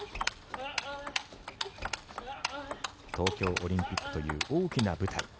東京オリンピックという大きな舞台。